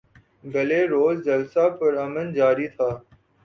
گلے روز جلسہ پر امن جاری تھا